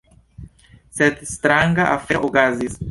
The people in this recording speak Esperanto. Sed stranga afero okazis.